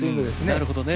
なるほどね。